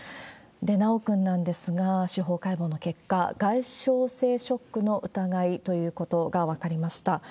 修くんなんですが、司法解剖の結果、外傷性ショックの疑いということが分かりました。